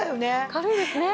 軽いですね。